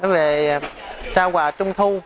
về trao quà trung thu